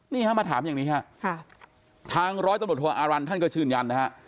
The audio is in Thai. นี่มาถามอย่างนี้ครับทางร้อยตำรวจฐานอารันทร์ท่านก็ชื่นยันนะครับ